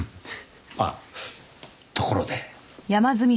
あっところで。